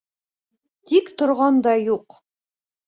Тик торған да юҡ